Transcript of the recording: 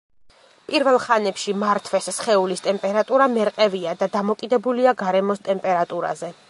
პირველ ხანებში მართვეს სხეულის ტემპერატურა მერყევია და დამოკიდებულია გარემოს ტემპერატურაზე.